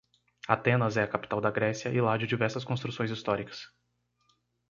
Atenas é a capital da Grécia e lar de diversas construções históricas